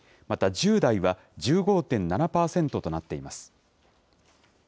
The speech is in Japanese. また、１０代は１５．７％となっています。